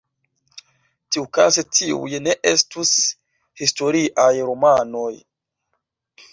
Tiukaze tiuj ne estus historiaj romanoj.